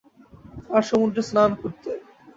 আর সমুদ্রে স্নান করতে।